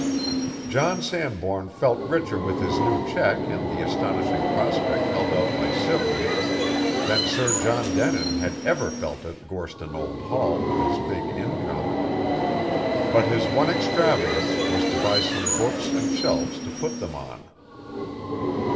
John Sanbourne felt richer with his new check and the astonishing prospect held out by Sibley than Sir John Denin had ever felt at Gorston Old Hall with his big income. But his one extravagance was to buy some books and shelves to put them on.